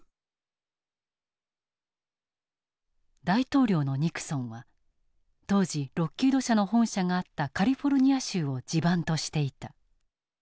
大統領のニクソンは当時ロッキード社の本社があったカリフォルニア州を地盤としていた。